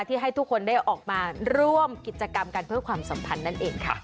ให้ทุกคนได้ออกมาร่วมกิจกรรมกันเพื่อความสัมพันธ์นั่นเองค่ะ